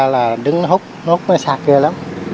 là đứng hút hút sạt kia lắm